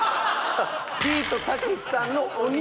ビートたけしさんのお兄さん。